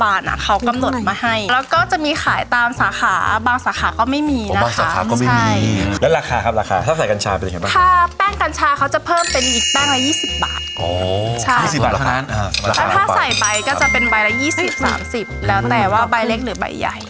อ๋อ๒๐บาทเท่านั้นแล้วถ้าใส่ไปก็จะเป็นใบละ๒๐๓๐แล้วแต่ว่าใบเล็กหรือใบใหญ่